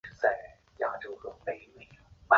阿戈讷地区东巴勒人口变化图示